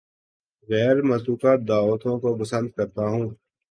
غیر متوقع دعوتوں کو پسند کرتا ہوں